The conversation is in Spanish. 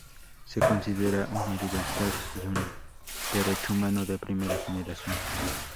Se considera una libertad y un derecho humano de primera generación.